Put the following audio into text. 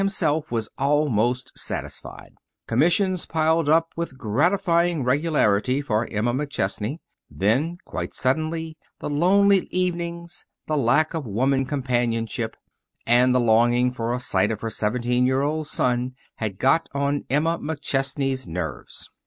himself was almost satisfied. Commissions piled up with gratifying regularity for Emma McChesney. Then, quite suddenly, the lonely evenings, the lack of woman companionship, and the longing for a sight of her seventeen year old son had got on Emma McChesney's nerves.